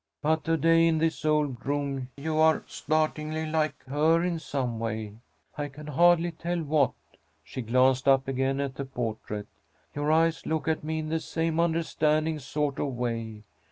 "But to day, in this old room, you are startlingly like her in some way, I can hardly tell what." She glanced up again at the portrait. "Your eyes look at me in the same understanding sort of way.